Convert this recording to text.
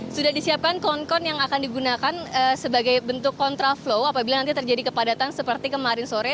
sudah disiapkan kon yang akan digunakan sebagai bentuk kontraflow apabila nanti terjadi kepadatan seperti kemarin sore